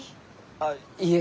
あいいえ。